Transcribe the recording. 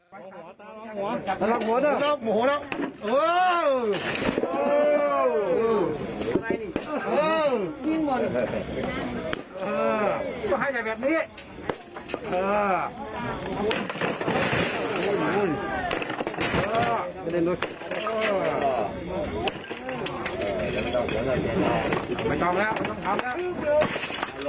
ไม่ต้องแล้วต้องทำนะ